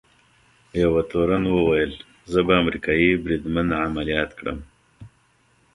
یوه تورن وویل: زه به امریکايي بریدمن عملیات کړم.